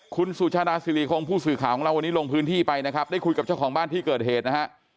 คุณสุชาดาสิริคงผู้สื่อข่าวของเราวันนี้ลงพื้นที่ไปนะครับได้คุยกับเจ้าของบ้านที่เกิดเหตุนะฮะ